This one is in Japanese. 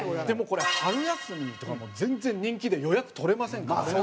でもこれ春休みとかもう全然人気で予約取れませんから。